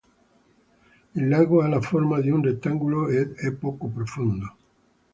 Il lago ha la forma di un rettangolo ed è poco profondo.